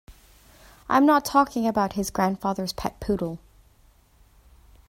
I'm not talking about his grandfather's pet poodle.